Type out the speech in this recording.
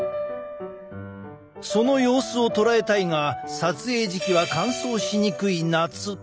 その様子を捉えたいが撮影時期は乾燥しにくい夏。